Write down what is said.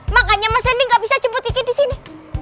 makanya mas randy nggak bisa jemput kiki di sini